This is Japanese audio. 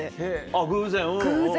あっ偶然？